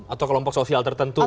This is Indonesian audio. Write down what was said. atau kelompok sosial tertentu gitu ya